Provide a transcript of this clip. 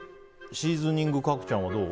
シーズニング角ちゃんはどう？